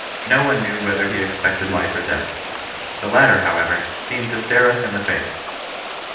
No one knew whether he expected life or death. The latter, however, seemed to stare us in the face.